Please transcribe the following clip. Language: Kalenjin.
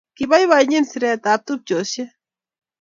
Kibaibaitynchini siret ab tupcheshek